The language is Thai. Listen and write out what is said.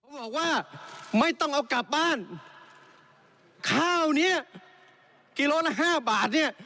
ผมบอกว่าไม่ต้องเอากลับบ้านข้าวเนี้ยกิโลละห้าบาทเนี่ย